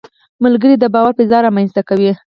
ملګری د باور فضا رامنځته کوي